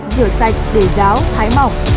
rửa sạch để ráo thái mỏng